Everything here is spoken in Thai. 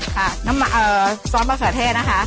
ค่ะซ้อนมะเขือเทศนะคะ